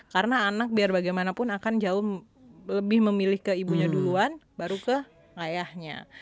karena anak biar bagaimanapun akan jauh lebih memilih ke ibunya duluan baru ke ayahnya